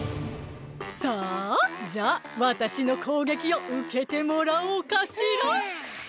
さあじゃあわたしのこうげきをうけてもらおうかしら！